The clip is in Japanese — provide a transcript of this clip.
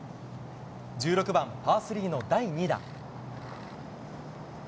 １６番、パー３の第２打。